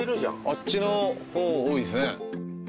あっちのほう多いっすね